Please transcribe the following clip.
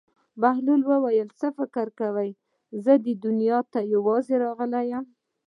بهلول وویل: څه فکر کوې زه دې دنیا ته یوازې راغلی یم.